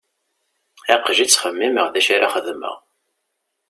Aql-i ttxemmimeɣ d acu ara xedmeɣ.